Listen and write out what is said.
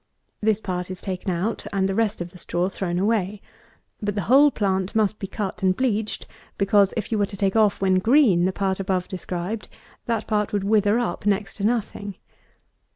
This part is taken out, and the rest of the straw thrown away. But the whole plant must be cut and bleached; because, if you were to take off, when green, the part above described, that part would wither up next to nothing.